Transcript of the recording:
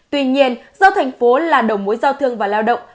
tuy nhiên do thành phố là đầu mối giao thương và lao động